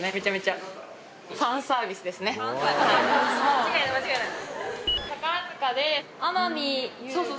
間違いない間違いない。